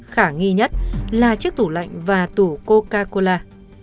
khả nghi nhất là chiếc tủ lạnh và tủ coca cola